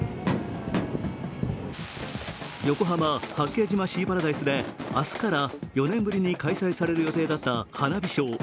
横浜・八景島シーパラダイスで明日から４年ぶりに開催される予定だった花火ショー。